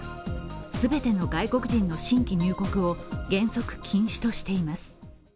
全ての外国人の新規入国を原則禁止としています。